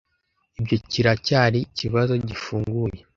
Ibyo kiracyari ikibazo gifunguye.